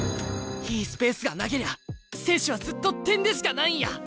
いいスペースがなけりゃ選手はずっと点でしかないんや！